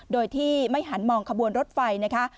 โดยที่ไม่หันมองขบวนรถไฟนะคะ